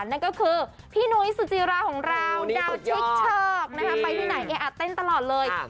นั่นก็คือพี่นุ้ยสุจิราของเราดาวชิคเฉิกไปที่ไหนแออัดเต้นตลอดเลย